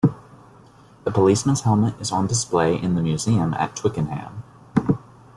The policeman's helmet is on display in the museum at Twickenham.